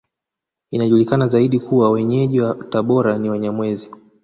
Inajulikana zaidi kuwa Wenyeji wa Tabora ni Wanyamwezi